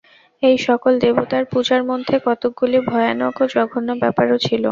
এই সকল দেবতার পূজার মধ্যে কতকগুলি ভয়ানক ও জঘন্য ব্যাপারও ছিল।